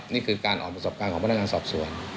นี่คือการออกประสบการณ์ของพนักงานสอบสวน